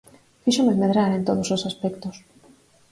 Fíxome medrar en todos os aspectos.